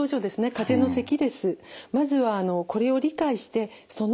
かぜのせきです。